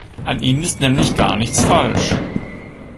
An ihnen ist nämlich gar nichts falsch.